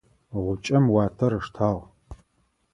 Гъукӏэм уатэр ыштагъ.